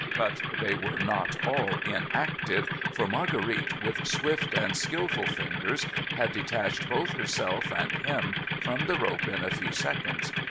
But they were not all inactive, for Marguerite, with swift and skilful fingers, had detached both herself and him from the rope in a few seconds.